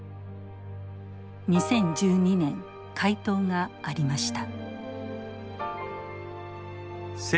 ２０１２年回答がありました。